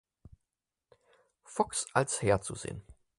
Fox als Her zu sehen.